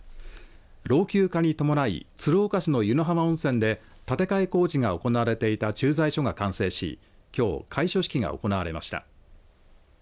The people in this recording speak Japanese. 老朽化に伴い鶴岡市の湯野浜温泉で建て替え工事が行われていた駐在所が完成しきょう開所式が行われました。